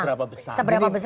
kita tidak tahu seberapa besar